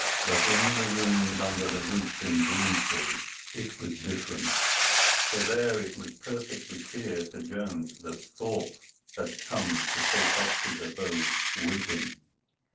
But in the rooms under the roof in Bloomsbury it was different, for there it was perfectly clear to Jones that Thorpe had come to take up his abode with him.